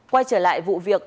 quay trở lại vụ việc